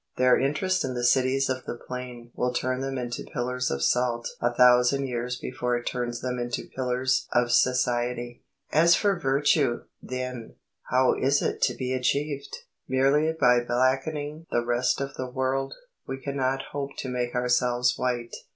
Their interest in the Cities of the Plain will turn them into pillars of salt a thousand years before it turns them into pillars of society. As for virtue, then, how is it to be achieved? Merely by blackening the rest of the world, we cannot hope to make ourselves white.